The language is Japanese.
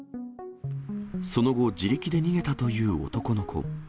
その後、自力で逃げたという男の子。